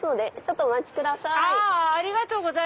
お待ちください。